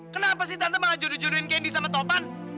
kenapa sih tante mau jodoh jodohin candy sama topan